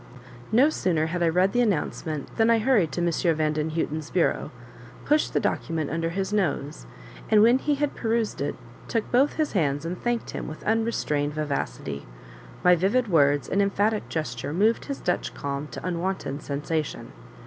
No sooner had I read the announcement than I hurried to M. Vandenhuten's bureau, pushed the document under his nose, and when he had perused it, took both his hands, and thanked him with unrestrained vivacity. My vivid words and emphatic gesture moved his Dutch calm to unwonted sensation.